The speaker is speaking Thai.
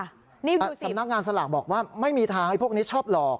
สำนักงานสลากบอกว่าไม่มีทางให้พวกนี้ชอบหลอก